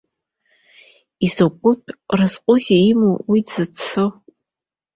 Изкәытә разҟузеи имоу уи дзызцо!